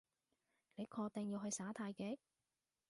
你確定要去耍太極？